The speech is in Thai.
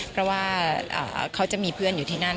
เพราะว่าเขาจะมีเพื่อนอยู่ที่นั่น